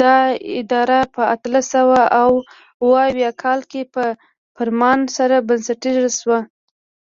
دا اداره په اتلس سوه اوه اویا کال کې په فرمان سره بنسټیزه شوه.